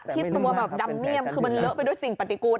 ที่ตัวแบบดำเมี่ยมคือมันเลอะไปด้วยสิ่งปฏิกูล